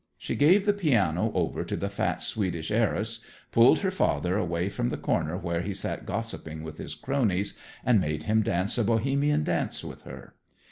She gave the piano over to the fat Swedish heiress, pulled her father away from the corner where he sat gossiping with his cronies, and made him dance a Bohemian dance with her.